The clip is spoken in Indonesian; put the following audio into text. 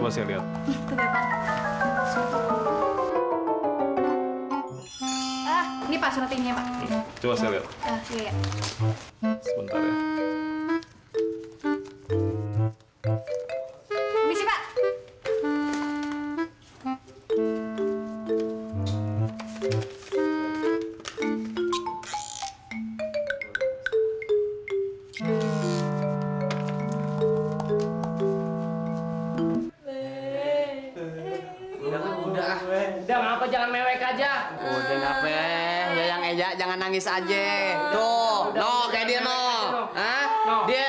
sejak mengenal cintamu kasih